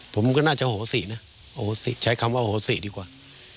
ผมก็น่าจะโหสินะโหสิใช้คำว่าโหสิดีกว่า